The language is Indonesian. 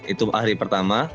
itu hari pertama